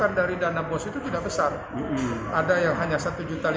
harga internet gefunden itu sudah ada di mana sudah ke cumul pada skopir dua